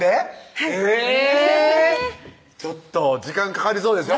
はいちょっと時間かかりそうですよ